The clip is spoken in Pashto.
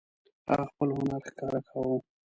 هغه خپل هنر ښکاره کاوه.